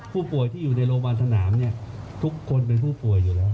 ผู้ป่วยที่อยู่ในโรงพยาบาลสนามทุกคนเป็นผู้ป่วยอยู่แล้ว